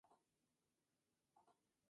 Existía una minoría de madera y zinc.